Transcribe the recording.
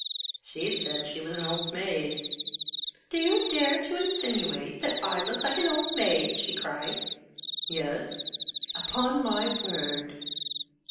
"She said she was an old maid." "Do you dare to insinuate that I look like an old maid?" she cried. "Yes." "Upon my word!"